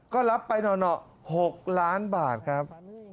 ก็รับไปหน่อ๖ล้านบาทครับ